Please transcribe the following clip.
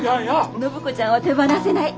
暢子ちゃんは手放せない。